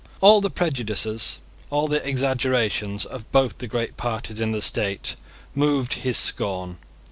All the prejudices, all the exaggerations, of both the great parties in the state moved his scorn.